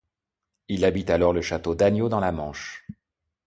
Il habite alors le château d'Agneaux dans la Manche.